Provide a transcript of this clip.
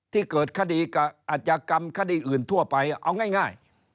ที่เกิดคดีกับอาจยากรรมคดีอื่นทั่วไปเอาง่าย